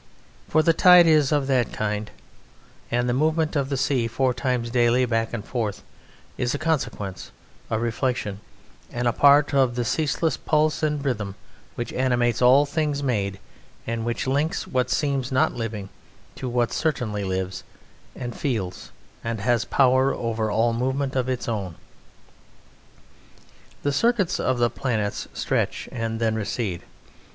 For the tide is of that kind; and the movement of the sea four times daily back and forth is a consequence, a reflection, and a part of the ceaseless pulse and rhythm which animates all things made and which links what seems not living to what certainly lives and feels and has power over all movement of its own. The circuits of the planets stretch and then recede.